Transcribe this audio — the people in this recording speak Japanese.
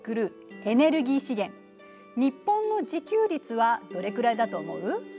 日本の自給率はどれくらいだと思う？